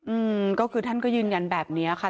อืมก็คือท่านก็ยืนยันแบบเนี้ยค่ะ